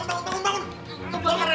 eh bangun bangun bangun bangun